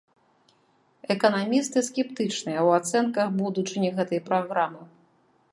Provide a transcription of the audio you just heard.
Эканамісты скептычныя ў ацэнках будучыні гэтай праграмы.